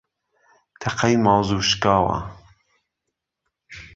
تەقەی مازوو شکاوە